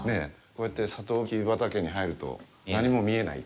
こうやってサトウキビ畑に入ると何も見えない。